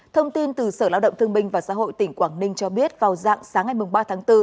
thông tin từ sở lao động thương binh và xã hội tỉnh quảng ninh cho biết vào dạng sáng ngày ba tháng bốn